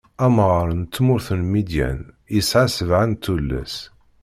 Amɣaṛ n tmurt n Midyan isɛa sebɛa n tullas.